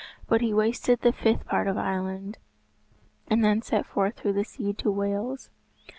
But he wasted the fifth part of Ireland, and then set forth through the sea to Wales.